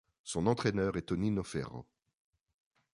Son entraîneur est Tonino Ferro.